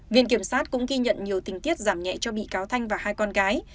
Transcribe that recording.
viện kiểm sát cũng ghi nhận nhiều tình tiết giảm nhẹ cho bị cáo thanh và hai con gái